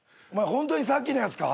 本当にさっきのやつか？